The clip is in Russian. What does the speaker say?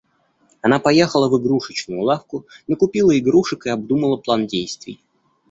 Она поехала в игрушечную лавку, накупила игрушек и обдумала план действий.